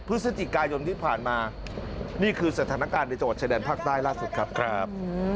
พฤศจิกายนที่ผ่านมานี่คือสถานการณ์ในจังหวัดชายแดนภาคใต้ล่าสุดครับ